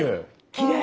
きれい！